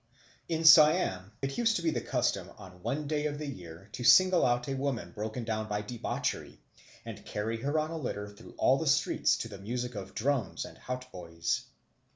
In Siam it used to be the custom on one day of the year to single out a woman broken down by debauchery, and carry her on a litter through all the streets to the music of drums and hautboys.